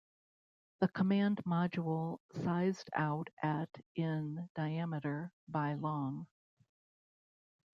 The Command Module sized out at in diameter, by long.